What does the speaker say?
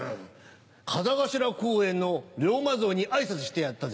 風頭公園の龍馬像に挨拶してやったぜ。